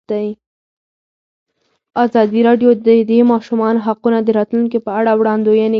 ازادي راډیو د د ماشومانو حقونه د راتلونکې په اړه وړاندوینې کړې.